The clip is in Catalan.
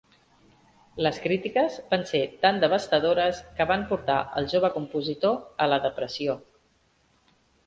Les crítiques van ser tan devastadores que van portar el jove compositor a la depressió.